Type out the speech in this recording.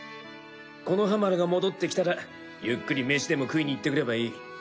木ノ葉丸が戻ってきたらゆっくり飯でも食いに行ってくればいい。